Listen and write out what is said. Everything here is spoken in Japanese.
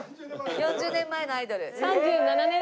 ４０年前のアイドル。